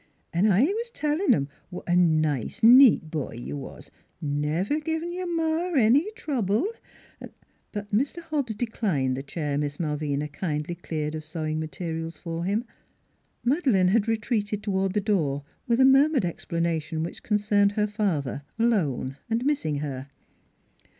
An' I was tellin' 'em what a nice, neat boy you was, never givin' your ma any trouble, an' " But Mr. Hobbs declined the chair Miss Mal vina kindly cleared of sewing materials for him. Madeleine had retreated toward the door with a murmured explanation which concerned her fa ther, alone and missing her.